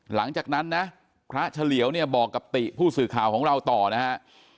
หลังจากนั้นนะพระเฉลียวเนี่ยบอกกับติผู้สื่อข่าวของเราต่อนะฮะ